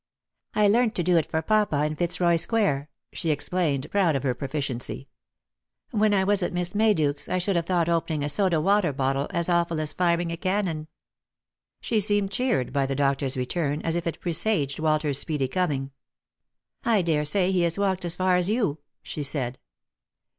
" I learnt to do it for papa in Fitzroy square," she explained, proud of her proficiency. " When I was at Miss Mayduke's I should have thought opening a soda water bottle as awful as firing a cannon." She seemed cheered by the doctor's return, as if it presaged Walter's speedy coming. " I daresay he has walked as far as you," she said.